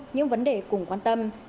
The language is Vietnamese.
những vấn đề cùng quan tâm